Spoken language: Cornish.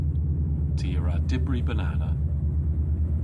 Ty a wra dybri banana.